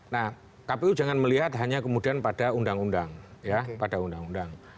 nah kpu jangan melihat hanya kemudian pada undang undang ya pada undang undang